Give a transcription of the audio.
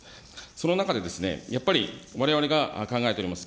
その中で、やっぱり、われわれが考えております